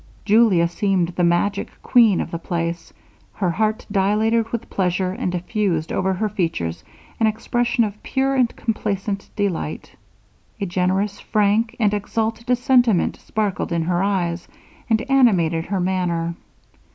Julia seemed the magic queen of the place. Her heart dilated with pleasure, and diffused over her features an expression of pure and complacent delight. A generous, frank, and exalted sentiment sparkled in her eyes, and animated her manner.